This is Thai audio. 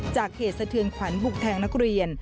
เหตุสะเทือนขวัญบุกแทงนักเรียน